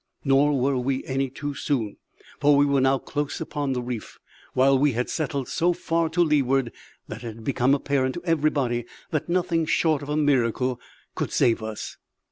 Nor were we any too soon; for we were now close upon the reef, while we had settled so far to leeward that it had become apparent to everybody that nothing short of a miracle could save us.